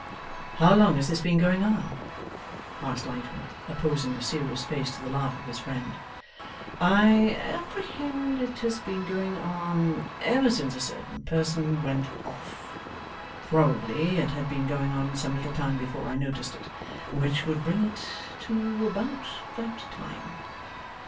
'How long has this been going on?' asked Lightwood, opposing a serious face to the laugh of his friend. 'I apprehend it has been going on, ever since a certain person went off. Probably, it had been going on some little time before I noticed it: which would bring it to about that time.